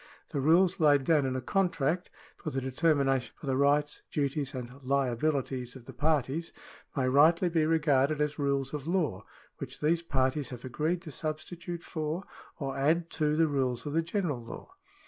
The rules laid down in a contract, for the determination of the rights, duties, and liabilities of the parties, may rightly be regarded as rules of law which these parties have agreed to substitute for. or add to the rules of the general law.